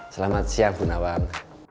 selamat siang bu nawal